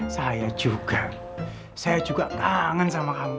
saya juga saya juga kangen sama kamu